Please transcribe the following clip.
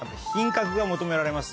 が求められます。